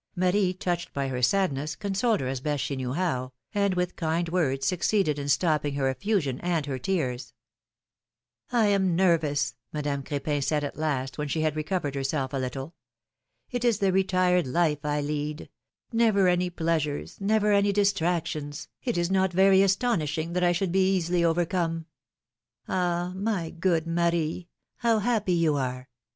Marie, touched by her sadness, consoled her as best she knew how, and with kind words succeeded in stopping her effusion and her tears. I am nervous, Madame Cr^pin said, at last, when she had recovered herself a little. It is the retired life I lead : never any pleasures, never any distractions, it is not very astonishing that I should be easily overcome. Ah! my good Marie! how happy you are!